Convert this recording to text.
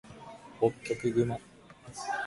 ホッキョクグマ